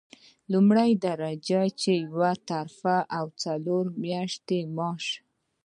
لومړۍ درجه یوه ترفیع او څلور میاشتې معاش.